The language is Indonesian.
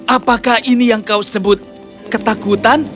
apakah ini yang kau sebut ketakutan